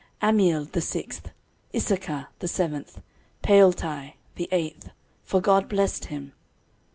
13:026:005 Ammiel the sixth, Issachar the seventh, Peulthai the eighth: for God blessed him.